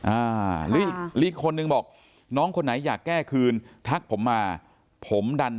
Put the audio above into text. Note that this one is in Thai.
อ่าหรืออีกคนนึงบอกน้องคนไหนอยากแก้คืนทักผมมาผมดัน